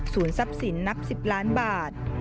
ศูนย์ทรัพย์สินนัก๑๐ล้านบาท